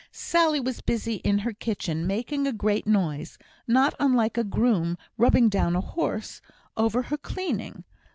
Sally was busy in her kitchen, making a great noise (not unlike a groom rubbing down a horse) over her cleaning.